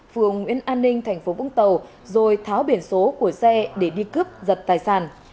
phường nguyễn an ninh thành phố vũng tàu rồi tháo biển số của xe để đi cướp giật tài sản